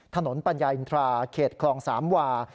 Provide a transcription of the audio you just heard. ปัญญาอินทราเขตคลองสามวา